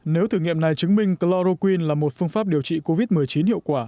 nếu thử nghiệm này chứng minh chloroquine là một phương pháp điều trị covid một mươi chín hiệu quả